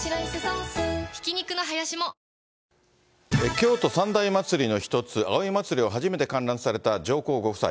京都三大祭りの一つ、葵祭を初めて観覧された上皇ご夫妻。